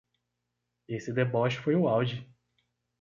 Esse deboche foi o auge